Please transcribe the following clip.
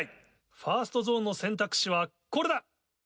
ファーストゾーンの選択肢はこれだ！